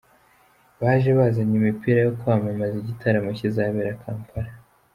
Baje bazanye imipira yo kwamamaza igitaramo kizabera Kampala.